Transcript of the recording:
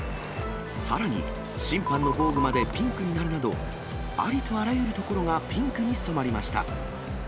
さらに、審判の防具までピンクになるなど、ありとあらゆるところがピンクに染まりました。